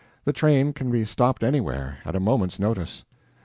The train can be stopped anywhere, at a moment's notice.